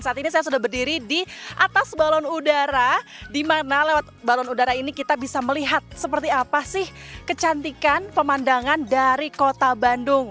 saat ini saya sudah berdiri di atas balon udara di mana lewat balon udara ini kita bisa melihat seperti apa sih kecantikan pemandangan dari kota bandung